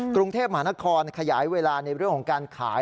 กรุงเทพมหานครขยายเวลาในเรื่องของการขาย